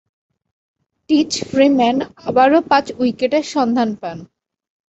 Teach Freeman আবারও পাঁচ উইকেটের সন্ধান পান।